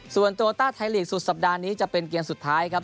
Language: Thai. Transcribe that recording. ส่วนโตต้าไทยลีกสุดสัปดาห์นี้จะเป็นเกมสุดท้ายครับ